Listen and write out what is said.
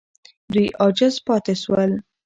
دوی عاجز پاتې سول.